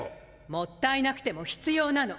もったいなくても必要なの。